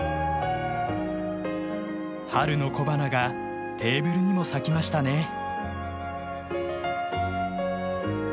春の小花がテーブルにも咲きましたね。